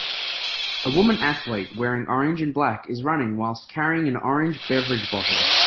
A woman athlete wearing orange and black is running whilst carrying an orange beverage bottle.